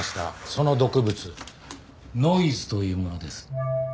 その毒物ノイズというものです。